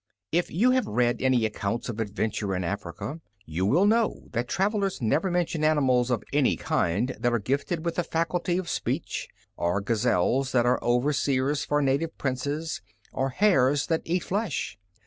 If you have read any accounts of adventure in Africa, you will know that travelers never mention animals of any kind that are gifted with the faculty of speech, or gazelles that are overseers for native princes, or hares that eat flesh.